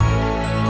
saya juga minta